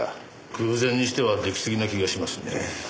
偶然にしては出来すぎな気がしますね。